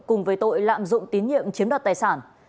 cùng với tội lạm dụng tín nhiệm chiếm đoạt tài sản